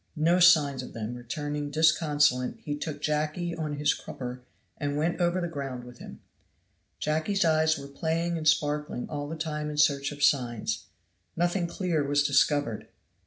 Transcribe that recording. No signs of them returning disconsolate he took Jacky on his crupper and went over the ground with him. Jacky's eyes were playing and sparkling all the time in search of signs. Nothing clear was discovered.